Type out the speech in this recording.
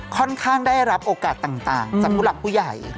ค่อนข้างได้รับโอกาสต่างจากผู้หลักผู้ใหญ่